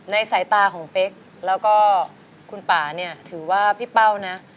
สายตาของเป๊กแล้วก็คุณป่าเนี่ยถือว่าพี่เป้านะ